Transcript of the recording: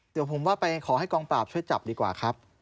เดี๋ยวผมว่าไปขอให้กองปราบช่วยจับดีกว่าครับ